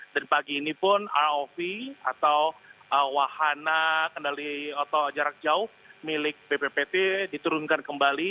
dan pagi ini pun rov atau wahana kendali atau jarak jauh milik bppt diturunkan kembali